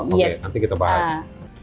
oke nanti kita bahas